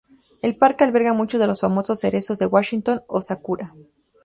El parque alberga muchos de los famosos cerezos de Washington, o sakura.